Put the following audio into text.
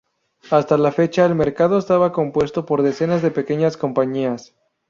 Hasta la fecha, el mercado estaba compuesto por decenas de pequeñas compañías.